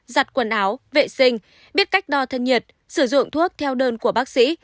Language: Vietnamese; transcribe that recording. giặt quần áo vệ sinh biết cách đo thân nhiệt sử dụng thuốc theo đơn của bác sĩ